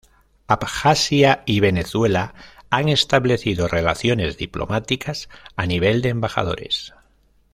Abjasia y Venezuela han establecido relaciones diplomáticas a nivel de embajadores.